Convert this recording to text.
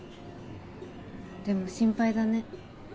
でも心配だね。